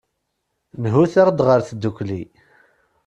Nhut-aɣ-d ɣer tdukli.